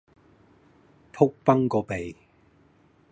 仆崩個鼻